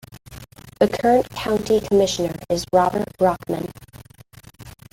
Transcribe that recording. The current County Commissioner is Robert Brockman.